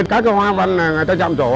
các cái hoa văn người ta trạm trổ